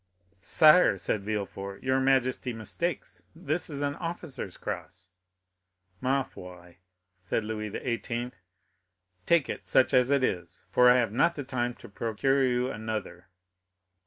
"Sire," said Villefort, "your majesty mistakes; this is an officer's cross." "Ma foi!" said Louis XVIII., "take it, such as it is, for I have not the time to procure you another.